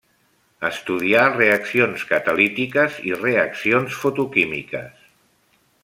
Estudià reaccions catalítiques i reaccions fotoquímiques.